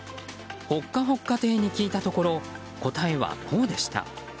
ほっかほっか亭に聞いたところ答えはこうでした。